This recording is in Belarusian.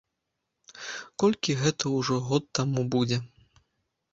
Колькі гэта ўжо год таму будзе?